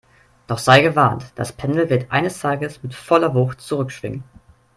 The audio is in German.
Doch sei gewarnt, das Pendel wird eines Tages mit voller Wucht zurückschwingen